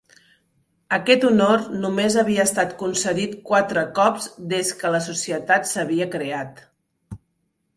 Aquest honor només havia estat concedit quatre cops des que la societat s'havia creat.